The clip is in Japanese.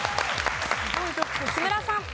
木村さん。